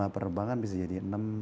lima perbangan bisa jadi enam